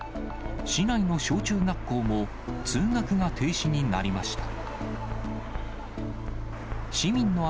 市内の小中学校も通学が停止になりました。